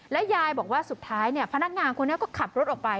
ยายบอกว่าสุดท้ายพนักงานคนนี้ก็ขับรถออกไป